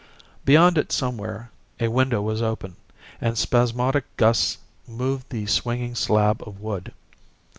Beyond it somewhere a window was open, and spasmodic gusts moved the swinging slab of wood.